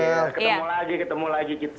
ketemu lagi ketemu lagi